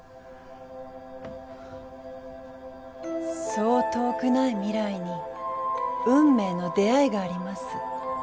そう遠くない未来に運命の出会いがあります。